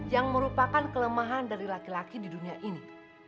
yang merupakan kelemahan dari laki laki di dunia ini